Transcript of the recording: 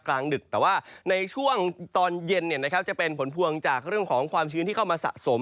กลางดึกแต่ว่าในช่วงตอนเย็นจะเป็นผลพวงจากเรื่องของความชื้นที่เข้ามาสะสม